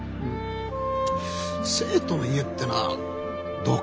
生徒の家ってのはどうかな。